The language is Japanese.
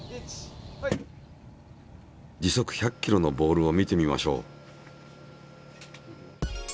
時速１００ｋｍのボールを見てみましょう。